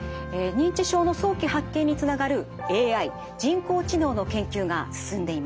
認知症の早期発見につながるＡＩ人工知能の研究が進んでいます。